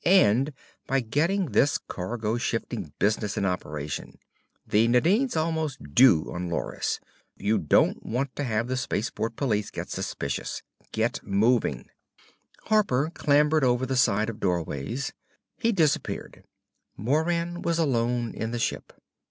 And by getting this cargo shifting business in operation! The Nadine's almost due on Loris. You don't want to have the space port police get suspicions. Get moving!" Harper clambered over the side of doorways. He disappeared. Moran was alone in the ship.